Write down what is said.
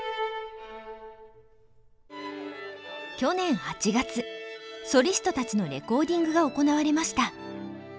去年８月ソリストたちのレコーディングが行われました。